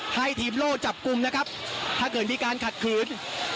ให้ทีมโล่จับกลุ่มนะครับถ้าเกิดมีการขัดขืน